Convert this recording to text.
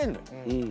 うん。